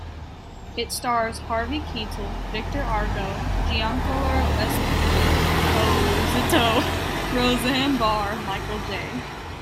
It stars Harvey Keitel, Victor Argo, Giancarlo Esposito, Roseanne Barr, Michael J.